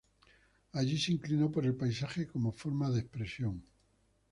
Allí se inclinó por el paisaje como forma de expresión.